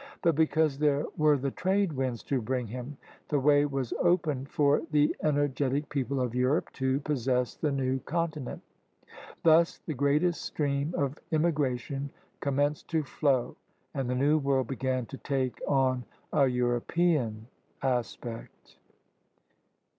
^* But because there were the trade winds to bring him, the way was opened for the energetic people of Europe to pos sess the new continent. Thus the greatest stream of immigration commenced to flow, and the New World began to take on a European aspect.